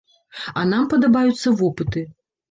А нам падабаюцца вопыты!